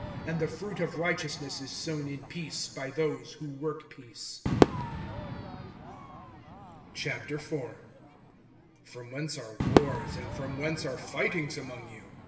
(18)And the fruit of righteousness is sown in peace, by those who work peace. IV. FROM whence are wars, and from whence are fightings among you?